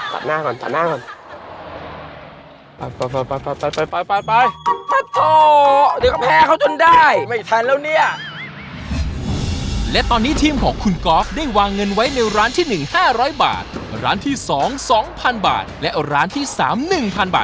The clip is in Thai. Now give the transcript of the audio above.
พวกเขาจะต้องเจอกับอาหารอะไรและในประมาณเท่าไหร่ในแต่ละร้าน